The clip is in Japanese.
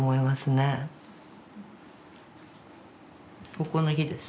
ここの日です。